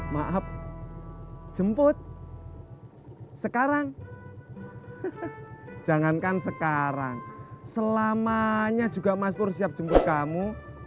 maaf jemput sekarang jangankan sekarang selamanya juga mas pur siap jemput kamu